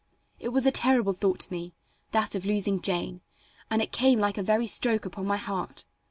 It was a terrible thought to me, that of losing Jane, and it came like a very stroke upon my heart.